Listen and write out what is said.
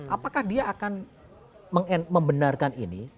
apakah dia akan membenarkan ini